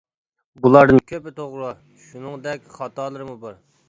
بۇلاردىن كۆپى توغرا، شۇنىڭدەك خاتالىرىمۇ بار.